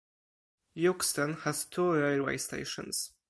Euxton has two railway stations.